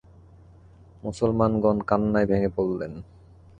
মুসলমানগণ কান্নায় ভেঙ্গে পড়লেন।